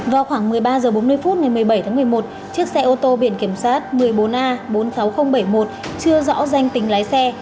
vào khoảng một mươi ba h bốn mươi phút ngày một mươi bảy tháng một mươi một chiếc xe ô tô biển kiểm soát một mươi bốn a bốn mươi sáu nghìn bảy mươi một chưa rõ danh tính lái xe